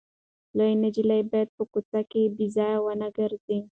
لويه نجلۍ باید په کوڅو کې بې ځایه ونه ګرځي.